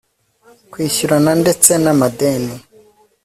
kwishyurana ndetse na madeni